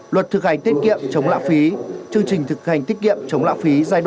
luật thực hành tiết kiệm chống lã phí chương trình thực hành tiết kiệm chống lã phí